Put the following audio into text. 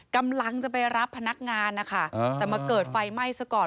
กำลังจะไปรับพนักงานนะคะแต่มาเกิดไฟไหม้ซะก่อน